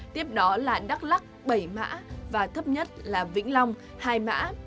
tiếp đó là đắk lắc bảy mã và thấp nhất là vĩnh long hai mã